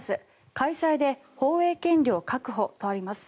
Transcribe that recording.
開催で放映権料確保とあります。